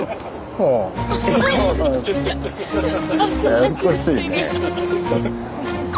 ややこしいね。